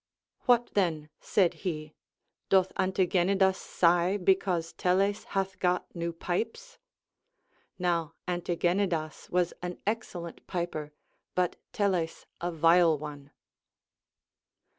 What then ^ said he, doth Antigenidas sigh because Telles hath got new pipes] (Now Antigenidas Λvas an excellent piper, but Telles a vile one.)